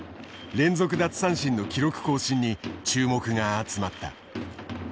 連続奪三振の記録更新に注目が集まった。